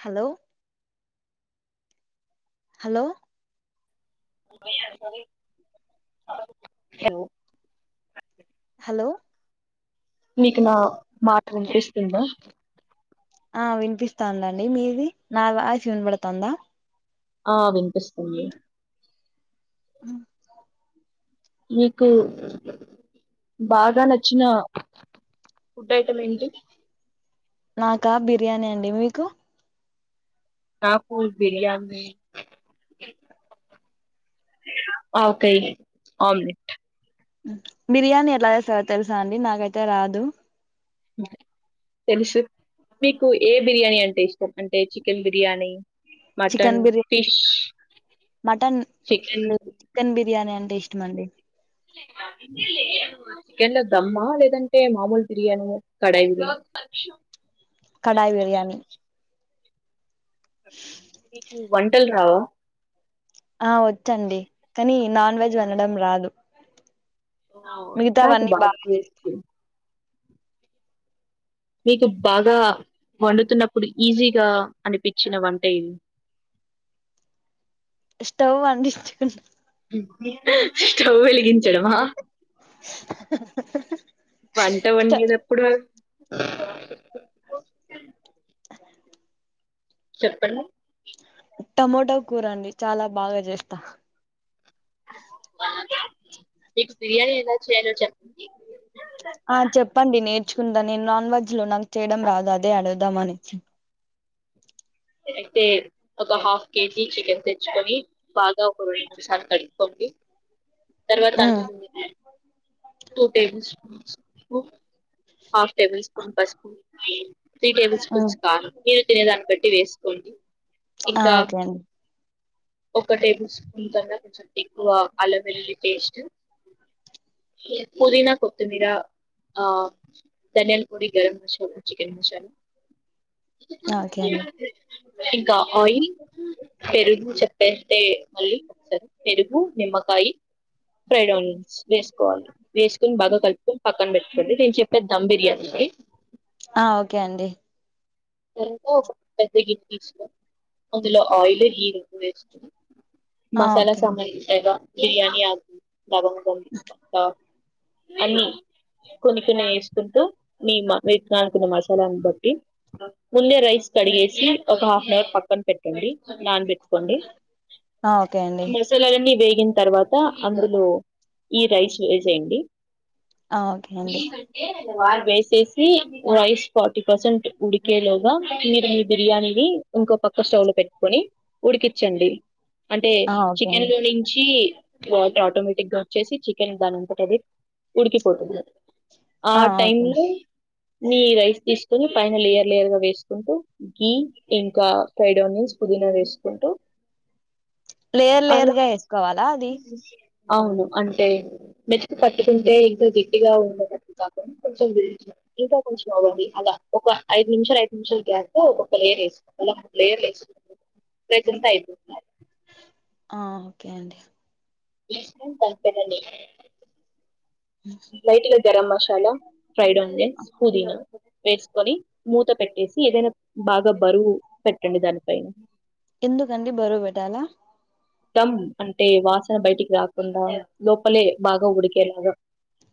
Hello! Hello! [unintelligible] Hello! నీకు నా మాట విన్పిస్తుందా? ఆ వినన్పిస్తాందండి. మీది నా వాయిస్ వినబడ్తాందా ఆ విన్పిస్తుంది. హ్ నీకూ బాగా నచ్చినా ఫుడ్ ఐటమ్ ఏంటి? నాకా బిర్యానీ అండి, మీకు? నాకు బిర్యానీ ఆవకాయ్, ఆమ్లెట్. బిర్యానీ ఎట్ల చేస్తారో తెస్సా అండి నాకైతే రాదు. బై తెస్సు మీకు ఏ బిర్యానీ అంటే ఇష్టం అంటే చికెన్ బిర్యానీ చికెన్ మటన్, బిర్యా ఫిష్ మటన్ చికెన్ లేదు. చికెన్ బిర్యానీ అంటే ఇష్టమండి. ఇ [inaudible] లేదు చికెన్లో దమ్మా లేదంటే మామూల్ బిర్యానీ ఆ కడయిది కడాయి బిర్యానీ. [inaudible] నీకు వంటల్ రావా ఆ వచ్చండి కనీ నాన్ వెజ్ వండడం రాదు. నాకు బాగా [unintelligible] మీకు భాగా వండుతున్నప్పుడు ఈజీగా అనిపిచ్చిన వంట ఏది? [inaudible] తొవ్వందిచ్చుకున్న స్టవ్ వెలిగిం [unintelligible] వంట వండినప్పుడు చెప్పండి. టమోటో కూర అండి చాలా బాగా చేస్తా. మీకు బిర్యానీ ఎలా చేయాలో చెప్ చుందా నేన్ నాన్ వెజ్ లో నన్ తేడం రాదు అదే అడుదాం అని అయితే ఒక హాఫ్ కేజీ చికెన్ తెచ్చుకొని బాగా ఒక రెండు మూడు సార్లు కడుక్కోండి [inaudible] తర్వాత um two table spoons half table spoon పసుపు త్రీ టేబుల్ ఉమ్ స్పూన్స్ కారం మీరు తినే దాన్ని బట్టి వేస్ కొండి ఆ ఓకే అండి ఒక టేబుల్ స్పూన్ [unintelligible] ఎక్కువ అల్లం వెల్లుల్లి పేస్టు పుదినా కొత్తిమ్మిరా ఆ ధానియాల పొడి గరం మసాలా చికెన్ మసాలా ఓకే అన్ని ఇంకా ఆయిల్ పెరుగు చెప్పేస్తే మళ్ళీ ఒకసారి పెరుగు నిమ్మకాయి ఫ్రైడ్ ఆనియన్స్ వేసుకోవాలి వేసుకొని బాగా కలుపుకొని పక్కన పెట్టుకోండి నేను చెప్ పే దమ్ బిర్యానీ కి ఆ ఓకే అండి. ఎంతో ఒక పెద్ద గిన్నె తీసుకొ అందులో ఆయిల్ గీ రొండు వెసుకొ ఆ మసాల ఓకే అండి సామాన్లు ఉంటాయిగా బిర్యానీ ఆకు లవంగం పట్టా అన్ని కొన్ని కొన్ని ఏసుకుంటూ నీ మ వె కావాల్సిన మసాలాను బట్టి ముందె రైస్ కడిగేసి ఒక హాఫ్ నవర్ పక్కన పెట్టండి నానబెట్ కొండి ఆ ఓకే అండి మసాలాలన్నీ వేగిన్ తర్వాత అందులో ఈ రైస్ వేసేయండి. ఆ ఓకే అండి. వేసేసి రైస్ ఫార్టీ పర్సెంట్ ఉడికేలోగా మీరు మీ బిర్యానీని ఇంకో పక్క స్టవ్ లో పెట్టుకొని ఉడికిచ్చండి అంటే ఆ ఓకే చికెన్ అండి లో నుంచి వాటర్ ఆటోమేటిక్గా చేసి చికెన్ దానంతట అదే ఉడికిపోతుంది ఆ టైం లో నీ రైస్ తీసుకొని పైన లేయర్ లేయర్ గా వేసుకుంటూ గీ ఇంకా ఫ్రైడ్ ఆనియన్స్, పుదీనా వేసుకుంటూ లేయర్ అలా లేయర్గా వేసుకోవాలా అది అవును అంటే మెతుకు పట్టుకుంటే ఇతు గట్టిగా ఉన్నట్టు కాదు కొంచెం ఇంకా కొంచెం అవ్వుద్ది అలా ఒక ఐదు నిమిషాలు ఐదు నిమిషాలు గ్యాపు ఒకొక్క లేయర్ వేసుకొ అలా లేయర్లు ఏస్ ప్రేతింత ఐతుందా ఆ ఓకే అండి ఈశ్వరన్ తల్పేనండి లేటుగా గరం మసాలా ఫ్రైడ్ ఆనియన్స్ పుదీనా వేసుకొని మూత పెట్టేస్ ఏదైనా బాగా బరువు పెట్టండి దానిపైన ఎందుకండి బరువు పెట్టాలా దమ్ అంటే వాసన బయటికి రాకుండా లోపలే బాగా ఉడికెలాగ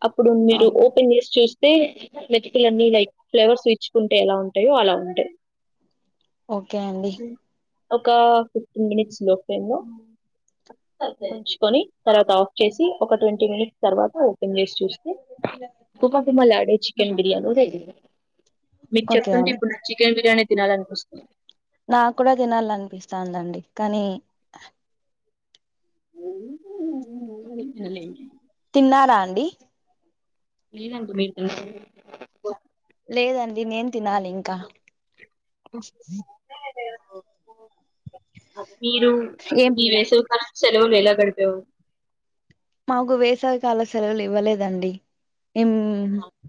అప్పుడు ఆ మీరు ఓపెన్ జేసి చూస్ టె మెతుకులన్నీ లైక్ ఫ్లేవర్స్ విచ్చుకుంటే ఎలా ఉంటాయో అలా ఉంటాయ్ ఓకే అండి. ఒక ఫిఫ్టీన్ మినిట్స్ లో ఫ్లేమ్లో చ్చుకొని తర్వాత ఆఫ్ చేసి ఒక ట్వంటీ మినిట్స్ తర్వాత ఓపెన్ చేస్ చూస్తె గుమ గుమలాడే చికెన్ బిర్యానీ రెడి మీకు ఓకే చెప్తుంటే అండి ఇప్పుడు నాకు చికెన్ బిర్యానీ తినాలనిపిస్తుంది. నా కూడా తినాలనిపిస్తాందండి కానీ [unintelligible] తిన్నారా అండి. లేదండి మీరు తిన్నారా? లేదండి నేన్ తినాలి ఇంకా మీరు ఏం మీ వేసవి కాలం సెలవులు ఎలా గడిపేవార్ మాకు వేసవికాల సెలవులు ఇవ్వలేదండి. ఇమ్